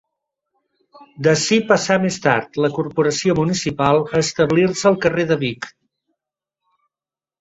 D'ací passà més tard, la Corporació municipal, a establir-se al carrer de Vic.